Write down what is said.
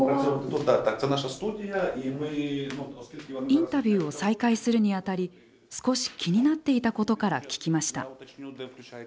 インタビューを再開するにあたり少し気になっていたことから聞きました。